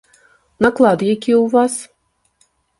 Наклад які ў вас?